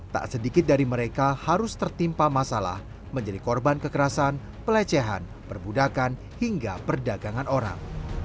tak sedikit dari mereka harus tertimpa masalah menjadi korban kekerasan pelecehan perbudakan hingga perdagangan orang